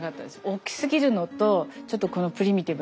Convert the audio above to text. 大きすぎるのとちょっとこのプリミティブな感じが。